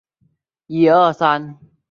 喜欢的艺人是奥华子。